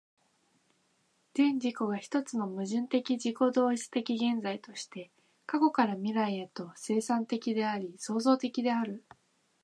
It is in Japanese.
全自己が一つの矛盾的自己同一的現在として、過去から未来へと、生産的であり創造的である。